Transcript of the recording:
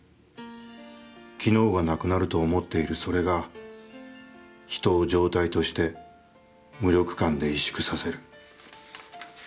昨日がなくなると思っているそれが人を常態として無力感で委縮させる。